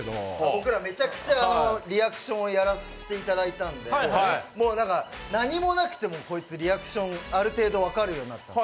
僕らめちゃくちゃリアクションをやらせてもらったので、何もなくてもリアクションで分かるようになって。